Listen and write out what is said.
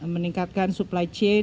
meningkatkan supply chain